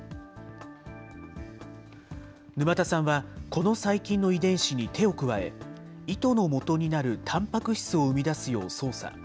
沼田さんは、この細菌の遺伝子に手を加え、糸のもとになるたんぱく質を生み出すよう操作。